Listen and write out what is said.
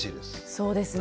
そうですね。